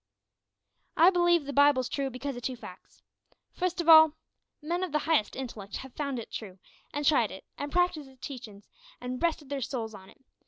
I believe the Bible's true because o' two facts. Fust of all, men of the highest intellec' have found it true, an tried it, an' practised its teachin's, an' rested their souls on it.